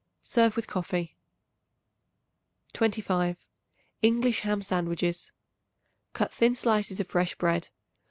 Serve with coffee. 25. English Ham Sandwiches. Cut thin slices of fresh bread.